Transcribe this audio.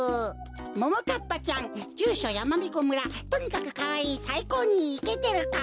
ももかっぱちゃんじゅうしょやまびこ村とにかくかわいいさいこうにイケてるかっぱ。